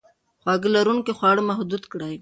خواږه لرونکي خواړه محدود کړئ.